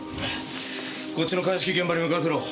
こっちの鑑識現場に向かわせろ。